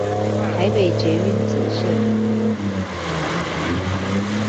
台北捷運紫線